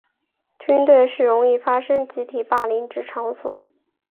军队是容易发生集体霸凌之场所。